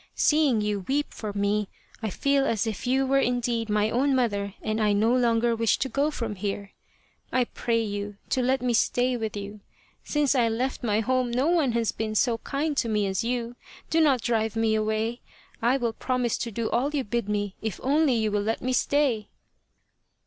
Seeing you weep for me, I feel as if you were indeed my own mother and I no longer wish to go from here. I pray you to 24 The Quest of the Sword let me stay with you. Since I left my home no one has been so kind to me as you. Do not drive me away. I will promise to do all you bid me if only you will let me stay."